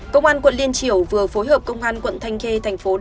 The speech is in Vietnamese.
công an quận liên triều vừa phối hợp công an quận thanh kê tp hcm